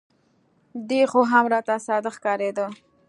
دى خو هم راته صادق ښکارېده.